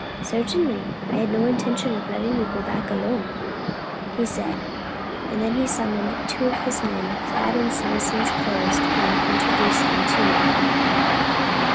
"Certainly! I had no intention of letting you go back alone," he said; and then he summoned two of his men clad in citizen's clothes and introduced them to me.